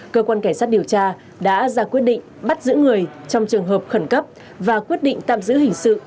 cơ quan cảnh sát điều tra đã ra quyết định bắt giữ người trong trường hợp khẩn cấp và quyết định tạm giữ hình sự